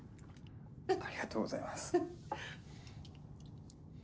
ありがとうございます。